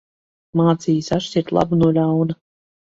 Mācījis atšķirt labu no ļauna.